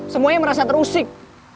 semuanya merasa terusik